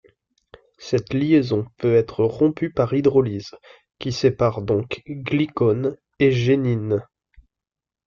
Cette liaison peut être rompue par hydrolyse, qui sépare donc glycone et génine.